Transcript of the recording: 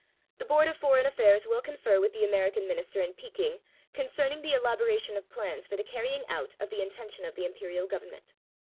The Board of Foreign Affairs will confer with the American Minister in Peking concerning the elaboration of plans for the carry ing out of the intention of the Imperial Government.